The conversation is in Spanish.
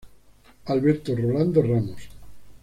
Alberto Rolando Ramos.